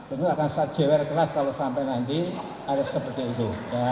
itu akan saya jewer keras kalau sampai nanti harus seperti itu